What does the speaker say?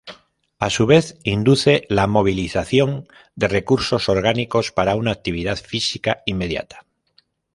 A su vez induce la movilización de recursos orgánicos para una actividad física inmediata.